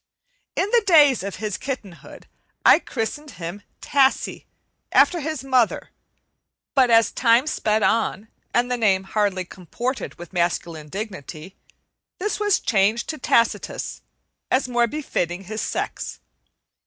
In the days of his kittenhood I christened him "Tassie" after his mother; but as time sped on, and the name hardly comported with masculine dignity, this was changed to Tacitus, as more befitting his sex.